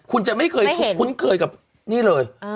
คุณจะไม่เคยคุ้นเคยกับนี่เลย